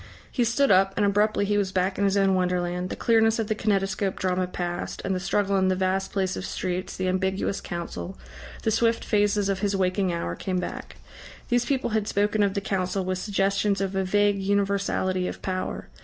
He stood up, and abruptly he was back in his own wonderland. The clearness of the kinetoscope drama passed, and the struggle in the vast place of streets, the ambiguous Council, the swift phases of his waking hour, came back. These people had spoken of the Council with suggestions of a vague universality of power.